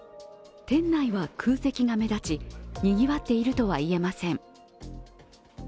店内は空席が目立ち、にぎわっているとは言えません。